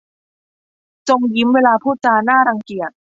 จงยิ้มเวลาพูดจาน่ารังเกียจ